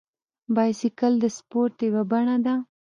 بایسکل د سپورت یوه بڼه ده.